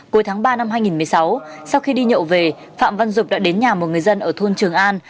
cuối tháng ba năm hai nghìn một mươi sáu sau khi đi nhậu về phạm văn dục đã đến nhà một người dân ở thôn trường an